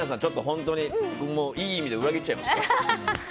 本当にいい意味で裏切っちゃいますよ。